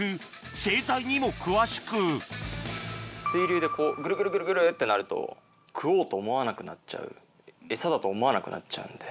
生態にも詳しく水流でこうグルグルグルグルってなると食おうと思わなくなっちゃうエサだと思わなくなっちゃうんで。